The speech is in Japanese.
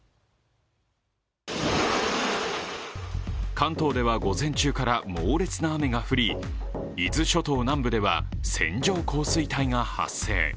関東では、午前中から猛烈な雨が降り伊豆諸島南部では線状降水帯が発生。